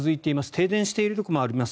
停電しているところもあります。